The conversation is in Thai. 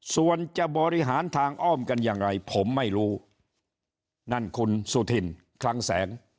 ส่วนจะบริหารทางอ้อมกันยังไงผมไม่รู้นั่นคุณสุธินคลังแสง